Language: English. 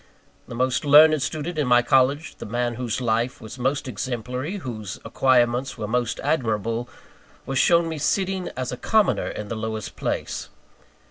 The most learned student in my college the man whose life was most exemplary, whose acquirements were most admirable was shown me sitting, as a commoner, in the lowest place.